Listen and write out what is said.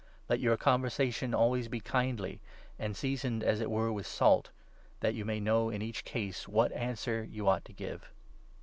Let your conversation 6 always be kindly, and seasoned, as it were, with salt ; that you may know in each case what answer you ought to give.